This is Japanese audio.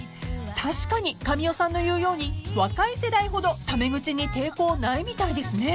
［確かに神尾さんの言うように若い世代ほどタメ口に抵抗ないみたいですね］